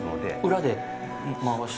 裏で回して？